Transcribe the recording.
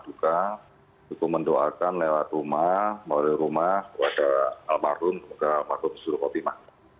kita sudah mendoakan lewat rumah melalui rumah kepada almarhum kepada almarhum suruh otima